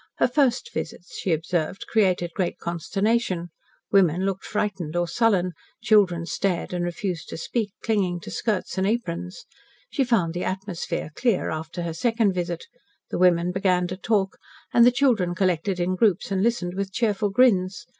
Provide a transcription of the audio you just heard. Her first visits, she observed, created great consternation. Women looked frightened or sullen, children stared and refused to speak, clinging to skirts and aprons. She found the atmosphere clear after her second visit. The women began to talk, and the children collected in groups and listened with cheerful grins.